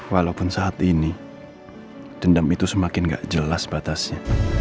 walaupun saat ini dendam itu semakin gak jelas batasnya